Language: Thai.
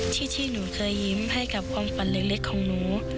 ที่หนูเคยยิ้มให้กับความฝันเล็กของหนู